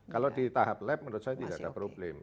kalau di tahap lab menurut saya tidak ada problem